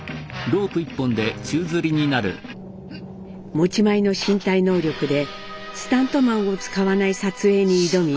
持ち前の身体能力でスタントマンを使わない撮影に挑み